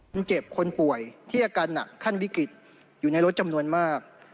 คนเจ็บคนป่วยที่อาการหนักขั้นวิกฤตอยู่ในรถจำนวนมาก